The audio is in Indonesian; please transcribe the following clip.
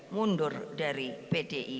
mundur dari pdi